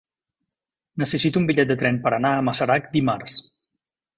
Necessito un bitllet de tren per anar a Masarac dimarts.